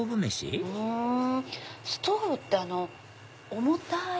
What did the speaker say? ストウブって重たい。